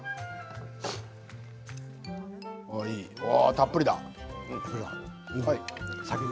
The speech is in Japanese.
たっぷりだ。